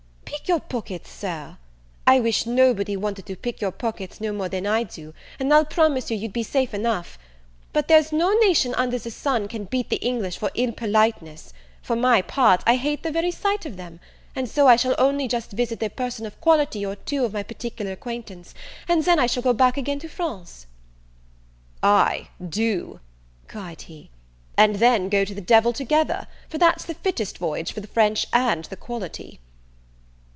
"Pick your pockets, Sir! I wish nobody wanted to pick your pockets no more than I do; and I'll promise you you'd be safe enough. But there's no nation under the sun can beat the English for ill politeness: for my part, I hate the very sight of them; and so I shall only just visit a person of quality or two of my particular acquaintance, and then I shall go back again to France." "Ay, do," cried he; "and then go to the devil together, for that's the fittest voyage for the French and the quality."